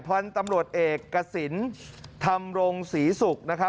เพราะฉะนั้นตำรวจเอกกระสินทำรงศรีศุกร์